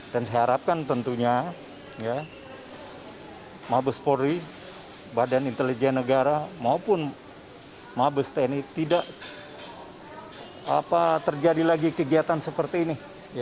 dan saya harapkan tentunya mabes polri badan intelijen negara maupun mabes tni tidak terjadi lagi kegiatan seperti ini